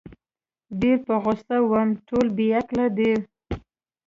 ډېر په غوسه وم، ټول بې عقله دي.